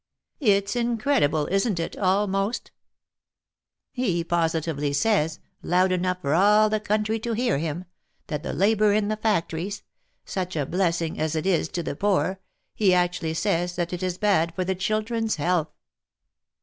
It's incredible, isn't it, al most ? He positively says, loud enough for all the country to hear him, that the labour in the factories — such a blessing as it is to the poor — he actually says that it is bad for the children's health.